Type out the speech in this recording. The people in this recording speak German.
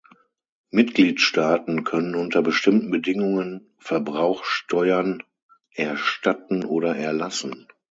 Mitgliedstaaten können unter bestimmten Bedingungen Verbrauchsteuern erstatten oder erlassen.